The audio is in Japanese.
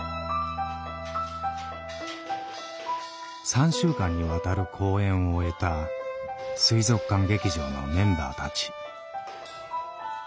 ３週間にわたる公演を終えた水族館劇場のメンバーたち。